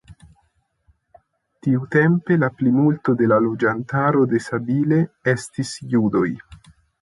Tiutempe la plimulto de la loĝantaro de Sabile estis judoj.